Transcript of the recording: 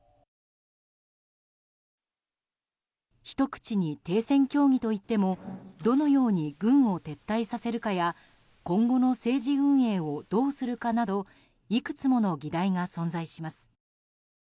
ひと口に停戦協議といってもどのように軍を撤退させるかや今後の政治運営をどうするかなどいくつもの議題が存在します。